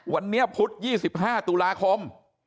วันนี้พุธ๒๕ตุลาคม